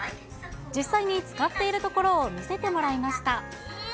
実際に使っているところを見せてもらいました。